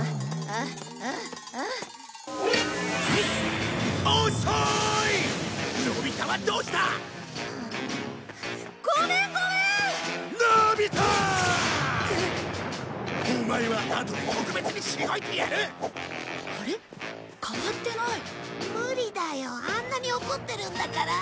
あんなに怒ってるんだから。